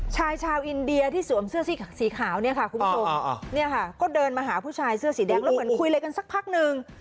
ชายชาวอินเดียที่สวมเสื้อสีขาวเนี่ยค่ะคุณผู้ชมเนี่ยค่ะก็เดินมาหาผู้ชายเสื้อสีแดงแล้วเหมือนคุยอะไรกันสักพักนึง